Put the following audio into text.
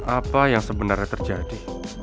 apa yang sebenarnya terjadi